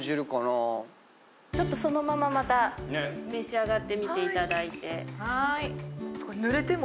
ちょっとそのまままた召し上がってみていただいて。